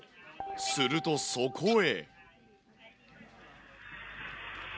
するとそこへ。